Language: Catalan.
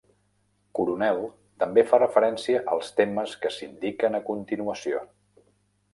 "Coronel" també fa referència als temes que s'indiquen a continuació.